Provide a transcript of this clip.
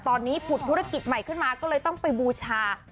ตอนนี้ผุดธุรกิจใหม่ขึ้นมาก็เลยต้องไปบูชา